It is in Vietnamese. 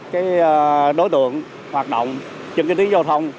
các đối tượng hoạt động chứng kiến tiến giao thông